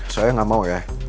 saya gak mau ya